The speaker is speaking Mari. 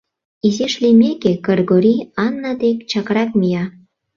Изиш лиймеке, Кыргорий Ана дек чакрак мия.